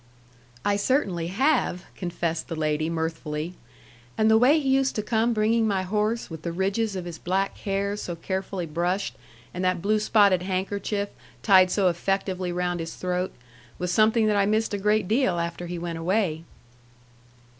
"I certainly have," confessed the lady, mirthfully. "And the way he used to come bringing my horse, with the ridges of his black hair so carefully brushed and that blue spotted handkerchief tied so effectively round his throat, was something that I missed a great deal after he went away."